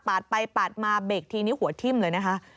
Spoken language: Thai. ไปปาดมาเบรกทีนี้หัวทิ่มเลยนะคะ